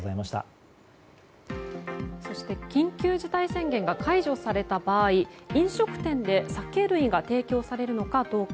緊急事態宣言が解除された場合飲食店で酒類が提供されるのかどうか。